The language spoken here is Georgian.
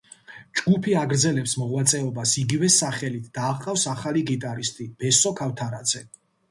ჯგუფი აგრძელებს მოღვაწეობას იგივე სახელით და აჰყავს ახალი გიტარისტი ბესო ქავთარაძე.